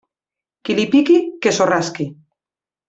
Qui li piqui, que s'ho rasqui.